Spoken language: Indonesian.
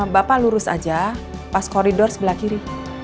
bapak lurus aja pas koridor sebelah kiri